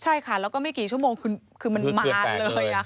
ใช่ค่ะแล้วก็ไม่กี่ชั่วโมงคือมันมาเลย